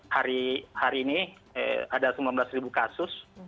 hari ini ada sembilan belas ribu kasus